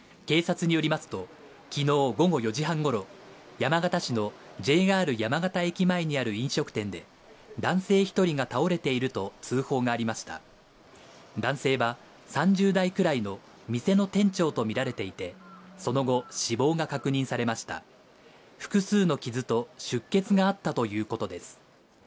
警察によりますときのう午後４時半ごろ山形市のＪＲ山形駅前にある飲食店で男性一人が倒れていると通報がありました男性は３０代くらいの店の店長と見られていてその後、死亡が確認されました複数の傷と出血があったということです